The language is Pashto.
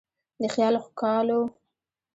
د خیال ښکالو